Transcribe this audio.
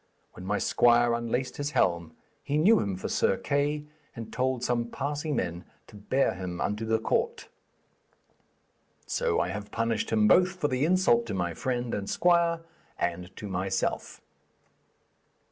When my squire unlaced his helm he knew him for Sir Kay, and told some passing men to bear him unto the court. 'So have I punished him both for the insult to my friend and squire and to myself.'